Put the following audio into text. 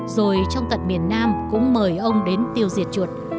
rồi trong tận miền nam cũng mời ông đến tiêu diệt chuột